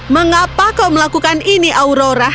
mengapa kau melakukan ini aurora